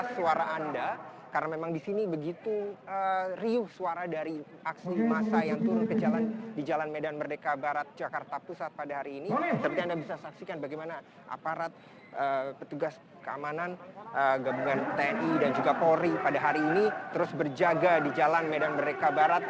selamat siang rufana